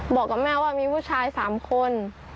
บอกกับแม่ว่ามีผู้ชาย๓คน